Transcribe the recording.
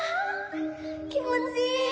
気持ちいいね！